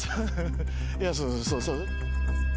いやそうそう。